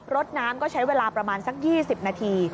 รถน้ำก็ใช้เวลาประมาณสัก๒๐นาที